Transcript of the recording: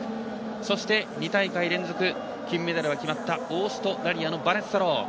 そして、２大会金メダルが決まったオーストラリアのバネッサ・ロー。